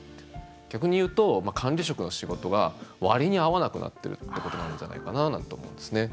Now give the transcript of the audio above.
逆に言うと、管理職の仕事は割に合わなくなっているということがあるんじゃないかと思うんですね。